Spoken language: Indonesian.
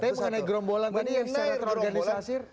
tapi mengenai gerombolan tadi yang secara terorganisasir